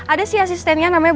ada sih asistennya namanya